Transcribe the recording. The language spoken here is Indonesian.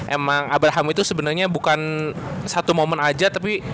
emang abraham itu sebenarnya bukan satu momen aja tapi